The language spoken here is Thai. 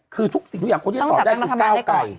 คือทุกสิ่งทุกอย่างคนที่ตอบได้คือก้าวไก่